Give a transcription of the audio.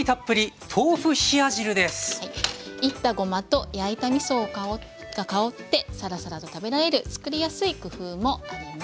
煎ったごまと焼いたみそが香ってさらさらと食べられる作りやすい工夫もあります。